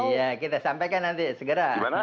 iya kita sampaikan nanti segera